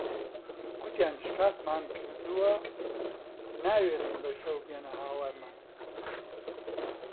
گوتیان شکاتمان کردووە، ناوێرن بە شەو بێنە هاوارمان